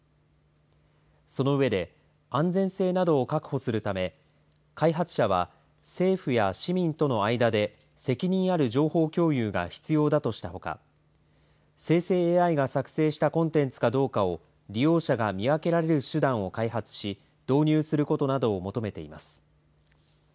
その上で安全性などを確保するため開発者は政府や市民との間で責任ある情報共有が必要だとしたほか生成ＡＩが作成したコンテンツかどうかを利用者が見分けられる手段を開発し導入することなどを求めています。